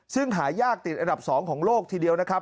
ซึ่งหายากติดอันดับ๒ของโลกทีเดียวนะครับ